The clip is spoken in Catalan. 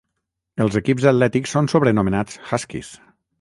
Els equips atlètics són sobrenomenats Huskies.